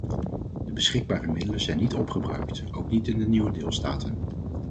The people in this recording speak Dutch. De beschikbare middelen zijn niet opgebruikt, ook niet in de nieuwe deelstaten.